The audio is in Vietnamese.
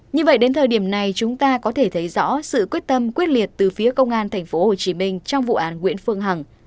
như vậy đến thời điểm này chúng ta có thể thấy rõ sự quyết tâm quyết liệt từ phía công an tp hcm trong vụ án nguyễn phương hằng